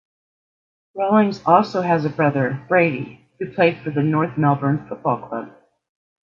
Rawlings also has a brother, Brady, who played for the North Melbourne Football Club.